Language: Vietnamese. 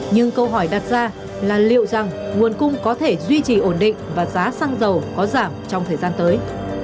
nhưng câu hỏi đặt ra là liệu rằng nguồn cung có thể duy trì ổn định và giá xăng dầu có giảm trong thời gian tới